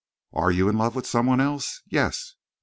"Are you in love with some one else?" "Yes!"